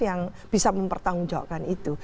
yang bisa mempertanggungjawabkan itu